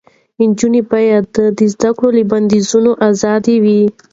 نجونې باید د زده کړې له بندیزونو آزادې وي.